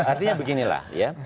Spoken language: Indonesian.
artinya beginilah ya